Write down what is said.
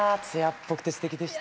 艶っぽくてすてきでしたね。